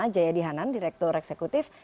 jaya dihanan direktur eksekutif